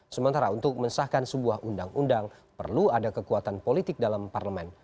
sementara untuk mensahkan sebuah undang undang perlu ada kekuatan politik dalam parlemen